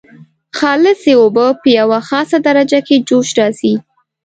خالصې اوبه په یوه خاصه درجه کې جوش راځي.